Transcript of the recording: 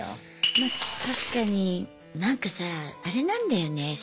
ま確かになんかさああれなんだよね